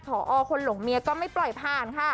พอคนหลงเมียก็ไม่ปล่อยผ่านค่ะ